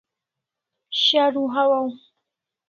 Sharu hawaw